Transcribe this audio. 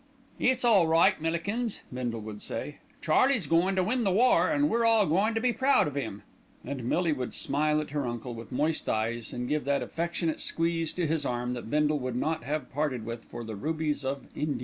"It's all right, Millikins," Bindle would say, "Charlie's goin' to win the war, an' we're all goin' to be proud of 'im," and Millie would smile at her uncle with moist eyes, and give that affectionate squeeze to his arm that Bindle would not have parted with for the rubies of Ind.